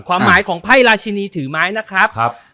ความหมายของไพ่ราชินีถือไม้นะครับ